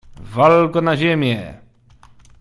"Wal go na ziemię!"